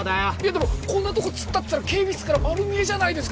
でもこんなとこ突っ立ってたら警備室から丸見えじゃないですか